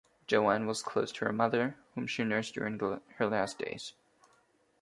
Joan was close to her mother, whom she nursed during her last days.